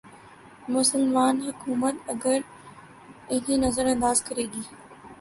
مسلماںحکومت اگر انہیں نظر انداز کرے گی۔